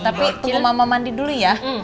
tapi tunggu mama mandi dulu ya